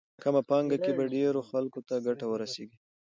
کمه پانګه کې به ډېرو خلکو ته ګټه ورسېږي.